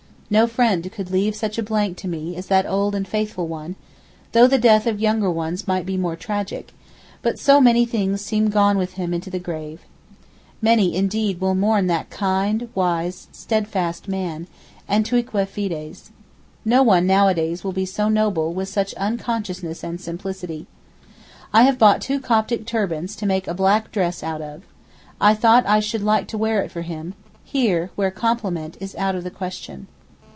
No friend could leave such a blank to me as that old and faithful one, though the death of younger ones might be more tragic; but so many things seem gone with him into the grave. Many indeed will mourn that kind, wise, steadfast man—Antiqua fides. No one nowadays will be so noble with such unconsciousness and simplicity. I have bought two Coptic turbans to make a black dress out of. I thought I should like to wear it for him—here, where 'compliment' is out of the question.